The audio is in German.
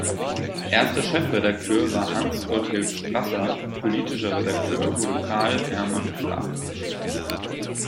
Erster Chefredakteur war Hans-Gotthilf Strasser, politischer Redakteur wurde Karl-Hermann Flach.